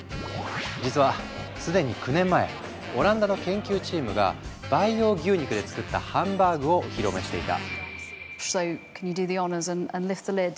実は既に９年前オランダの研究チームが培養牛肉で作ったハンバーグをお披露目していた。